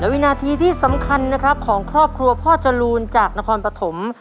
วินาทีที่สำคัญของครอบครัวพ่อจรูนจากจักรบางธ์นครปฐม